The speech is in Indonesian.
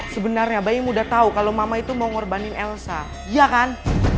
sebenarnya bayi muda tahu kalau mama itu mau ngorbanin elsa iya kan